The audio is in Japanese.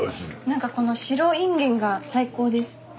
何かこの白いんげんが最高です。